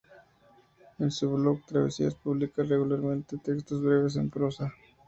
En su blog 'Travesías' publica regularmente textos breves en prosa.